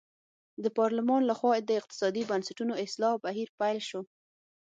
د پارلمان له خوا د اقتصادي بنسټونو اصلاح بهیر پیل شو.